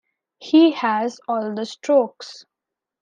He has all the strokes.